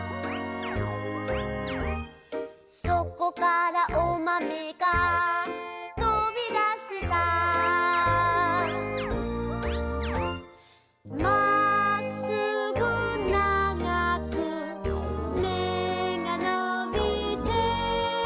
「そこからおまめが飛びだした」「まっすぐ長く芽がのびて」